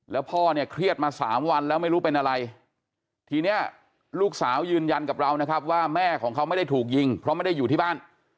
แล้วพ่อเนี่ยเครียดมา๓วันแล้วไม่รู้เป็นอะไรทีนี้ลูกสาวยืนยันกับเรานะครับว่าแม่ของเขาไม่ได้ถูกยิงเพราะไม่ได้อยู่ที่บ้าน